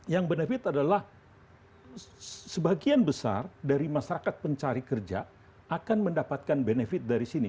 yang benefit adalah sebagian besar dari masyarakat pencari kerja akan mendapatkan benefit dari sini